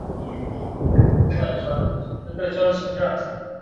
褐腹斑蚜为常蚜科新瘤蚜属下的一个种。